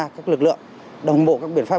các lực lượng đồng bộ các biện pháp